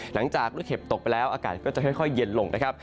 หลังจากลูกเห็บตกไปแล้วอากาศก็จะค่อยเย็นลงนะครับ